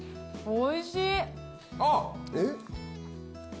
おいしい！